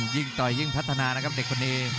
ยิ่งต่อยพัฒนานะครับเด็กคนนี้